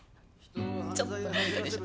ちょっと見えたでしょ？